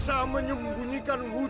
ah aku tahu